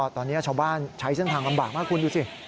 ตอนนี้ชาวบ้านใช้เส้นทางลำบากมากคุณดูสิ